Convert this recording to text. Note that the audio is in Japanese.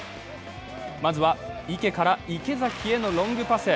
まずは池から池崎へのロングパス。